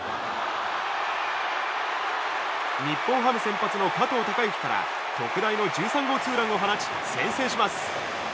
日本ハム先発の加藤貴之から特大の１３号ツーランを放ち先制します。